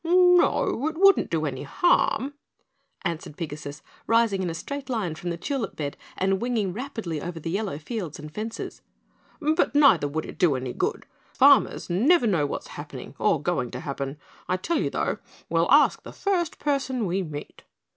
"No, it wouldn't do any harm," answered Pigasus, rising in a straight line from the tulip bed and winging rapidly over the yellow fields and fences, "but neither would it do any good. Farmers never know what's happening or going to happen. I tell you, though, we'll ask the first person we meet."